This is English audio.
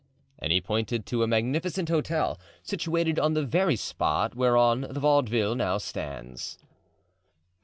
And he pointed to a magnificent hotel situated on the very spot whereon the Vaudeville now stands.